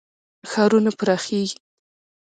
ښارونه پراخیږي.